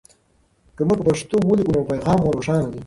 که موږ په پښتو ولیکو نو پیغام مو روښانه وي.